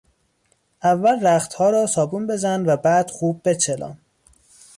اول رختها را صابون بزن و بعد خوب بچلان!